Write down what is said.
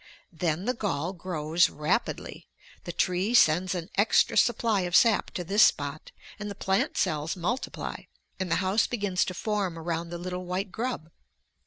Then the gall grows rapidly. The tree sends an extra supply of sap to this spot, and the plant cells multiply, and the house begins to form around the little white grub.